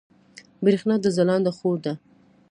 برېښنا د ځلاند خور ده